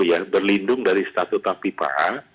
yang berlindung dari status tapi pa'a